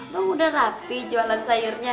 udah rapi jualan sayurnya